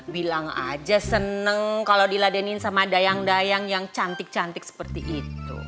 bilang aja seneng kalau diladenin sama dayang dayang yang cantik cantik seperti itu